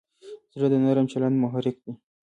زړه د نرم چلند محرک دی.